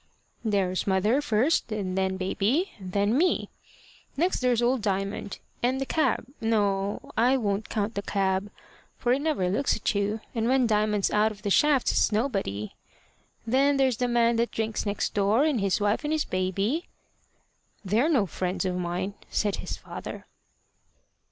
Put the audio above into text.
"There's mother, first, and then baby, and then me. Next there's old Diamond and the cab no, I won't count the cab, for it never looks at you, and when Diamond's out of the shafts, it's nobody. Then there's the man that drinks next door, and his wife, and his baby." "They're no friends of mine," said his father.